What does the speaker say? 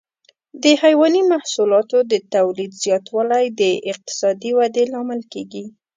د حيواني محصولاتو د تولید زیاتوالی د اقتصادي ودې لامل کېږي.